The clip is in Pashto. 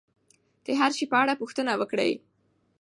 د هر سي په اړه پوښتنه وکړئ.